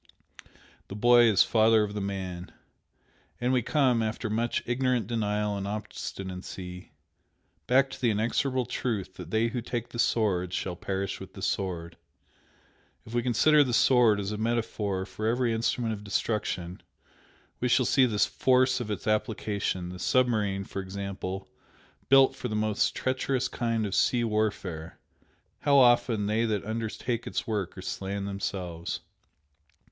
The boy is father of the man. And we come, after much ignorant denial and obstinacy, back to the inexorable truth that 'they who take the sword shall perish with the sword.' If we consider the 'sword' as a metaphor for every instrument of destruction, we shall see the force of its application the submarine, for example, built for the most treacherous kind of sea warfare how often they that undertake its work are slain themselves!